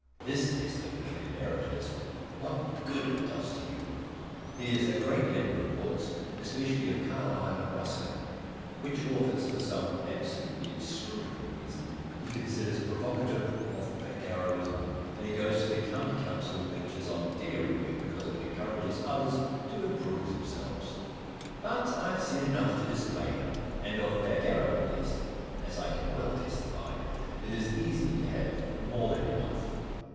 His test of literary merit is "What good does it do you?" He is a great lender of books, especially of Carlyle and Ruskin, which authors for some absolutely inscrutable reason he considers provocative of Bagarrowism, and he goes to the County Council lectures on dairy work, because it encourages others to improve themselves. But I have said enough to display him, and of Bagarrow at least as I can well testify it is easy to have more than enough.